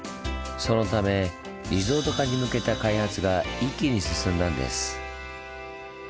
そのためリゾート化に向けた開発が一気に進んだんです。